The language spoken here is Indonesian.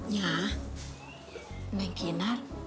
ya neng kinar